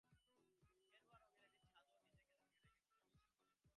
গেরুয়া রঙের একটা চাদর দিয়ে নিজেকে জড়িয়ে রেখেছেন বলেই কেমন যেন ঋষি-ঋষি লাগছে।